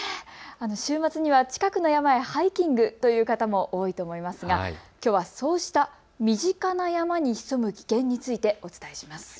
週末には近くの山へハイキングという方も多いと思いますがきょうはそうした身近な山に潜む危険についてお伝えします。